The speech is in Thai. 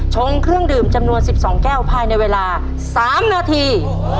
ชงเครื่องดื่มจำนวน๑๒แก้วภายในเวลา๓นาที